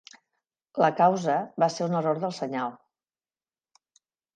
La causa va ser un error del senyal.